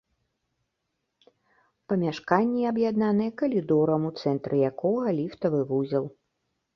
Памяшканні аб'яднаныя калідорам, у цэнтры якога ліфтавы вузел.